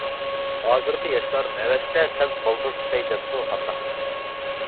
ھازىرقى ياشلار ھەۋەستە سەل بالدۇر پىشاي دەمدۇ قانداق.